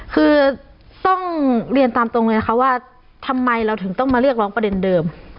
คือต้องเรียนตามตรงเลยนะคะว่าทำไมเราถึงต้องมาเรียกร้องประเด็นเดิม